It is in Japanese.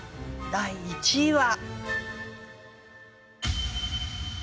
第２位は。